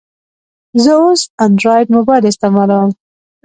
زه اوس انډرایډ موبایل استعمالوم.